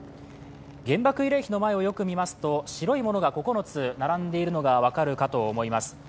原爆慰霊碑の前をよく見ますと白いものが９つ並んでいるのが分かると思います。